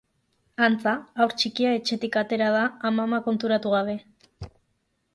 Antza, haur txikia etxetik atera da amama konturatu gabe.